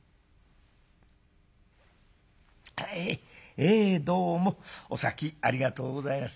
「ええどうもお先ありがとうございます。